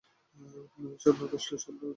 ঐ স্বপ্ন বা স্বপ্নদ্রষ্টা পৃথক বস্তু নয়।